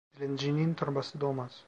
Dilencinin torbası dolmaz.